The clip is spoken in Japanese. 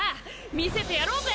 見せてやろーぜ！